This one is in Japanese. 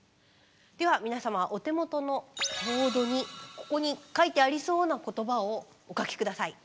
では皆さまお手元のボードにここに書いてありそうな言葉をお書き下さい。